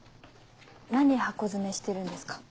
何箱詰めしてるんですか？